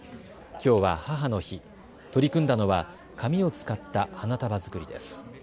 きょうは母の日、取り組んだのは紙を使った花束作りです。